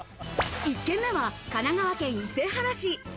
１軒目は神奈川県伊勢原市。